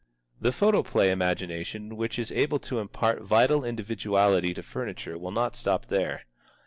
The photoplay imagination which is able to impart vital individuality to furniture will not stop there.